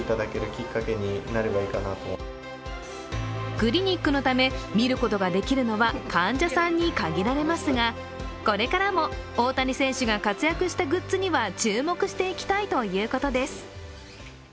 クリニックのため、見ることができるのは患者さんに限られますが、これからも大谷選手が活躍したグッズには注目していきたいということです。